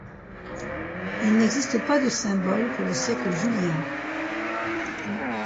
Il n'existe de pas de symbole pour le siècle julien.